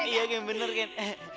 iya ken bener ken